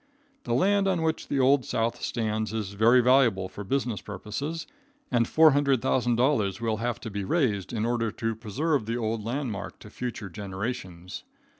The land on which the Old South stands is very valuable for business purposes, and $400,000 will have to be raised in order to preserve the old landmark to future generations.